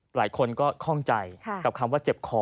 หลายคนก็คล่องใจกับคำว่าเจ็บคอ